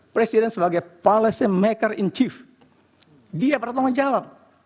presiden sebagai policy maker in chief dia bertanggung jawab